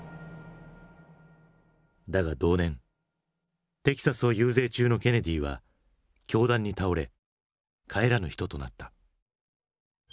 だが同年テキサスを遊説中のケネディは凶弾に倒れ帰らぬ人となった。